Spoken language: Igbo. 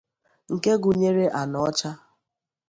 nke gụnyere Anaocha